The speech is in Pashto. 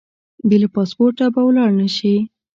بې له پاسپورټه به ولاړ نه شې.